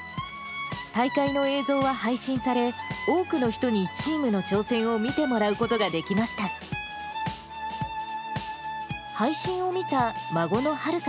大会の映像は配信され、多くの人にチームの挑戦を見てもらうことができました。